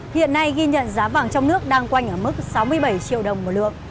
hiện nay ghi nhận giá vàng trong nước đang quanh ở mức sáu mươi bảy triệu đồng một lượng